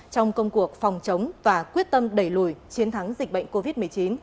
trong công cuộc phòng chống và quyết tâm đẩy lùi chiến thắng dịch bệnh covid một mươi chín